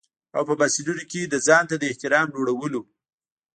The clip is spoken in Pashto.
او په محصلینو کې د ځانته د احترام لوړولو.